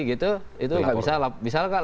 itu bisa lah kak